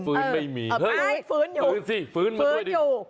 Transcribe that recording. ฟื้นไม่มีฟื้นสิฟื้นมาด้วยดิ